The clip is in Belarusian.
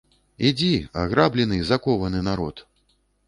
Ідзі, аграблены, закованы народ!